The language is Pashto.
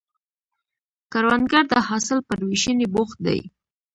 کروندګر د حاصل پر ویشنې بوخت دی